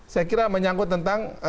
saya kira menyangkut tentang